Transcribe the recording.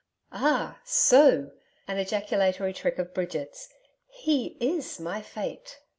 Ah so!' ... an ejaculatory trick of Bridget's. 'He IS my fate!'